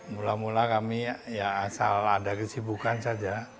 mula mula kami ya asal ada kesibukan saja